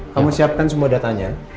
kamu siapkan semua datanya